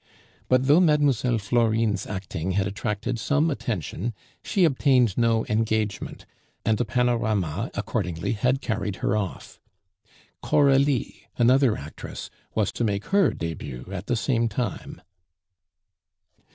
But though Mlle. Florine's acting had attracted some attention, she obtained no engagement, and the Panorama accordingly had carried her off. Coralie, another actress, was to make her debut at the same time.